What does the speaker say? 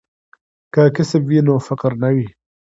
که کسب وي نو فقر نه وي.